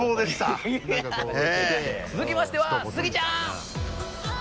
続きましてはスギちゃん！